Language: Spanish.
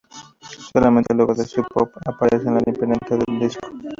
Solamente el logo de Sub Pop aparece en la imprenta del disco.